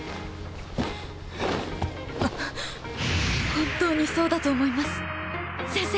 本当にそうだと思います先生！